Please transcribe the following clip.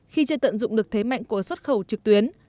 khi chưa tận dụng được thế mạnh của xuất khẩu trực tuyến